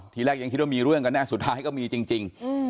ทีแรกยังคิดว่ามีเรื่องกันแน่สุดท้ายก็มีจริง